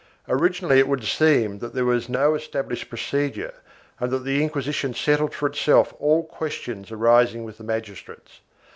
Originally it would seem that there was no established procedure and that the Inquisition settled for itself all questions arising with the magistrates.